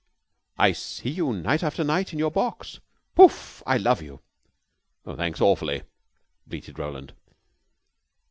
"I see you night after night in your box. Poof! I love you." "Thanks awfully," bleated Roland.